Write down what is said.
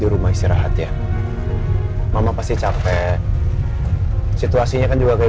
di rumah istirahat ya mama pasti capek situasinya kan juga kalau